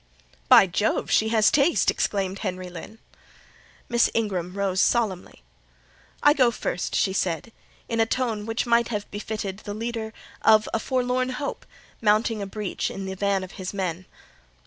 "By Jove, she has taste!" exclaimed Henry Lynn. Miss Ingram rose solemnly: "I go first," she said, in a tone which might have befitted the leader of a forlorn hope, mounting a breach in the van of his men.